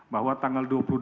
bahwa tanggal dua puluh dua